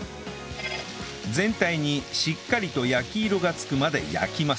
全体にしっかりと焼き色がつくまで焼きます